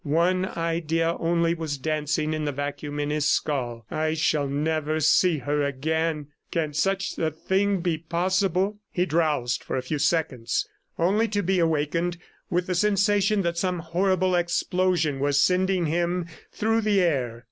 One idea only was dancing in the vacuum in his skull "I shall never see her again. ... Can such a thing be possible?" He drowsed for a few seconds, only to be awakened with the sensation that some horrible explosion was sending him through the air.